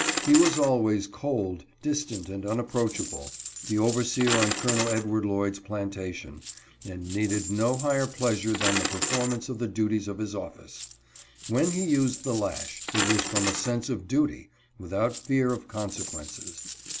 He was always cold, distant, and unapproachable — the overseer on Col. Edward Lloyd's plantation — and needed no higher pleasure than the performance of the duties of his office. When he used the lash, it was from a sense of duty, without fear of consequences.